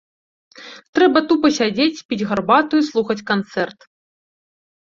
Трэба тупа сядзець, піць гарбату і слухаць канцэрт.